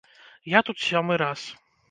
Я тут сёмы раз.